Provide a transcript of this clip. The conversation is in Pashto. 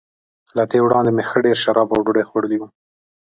له دې وړاندي مې ښه ډېر شراب او ډوډۍ خوړلي وو.